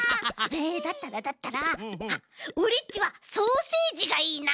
だったらだったらあっオレっちはソーセージがいいな。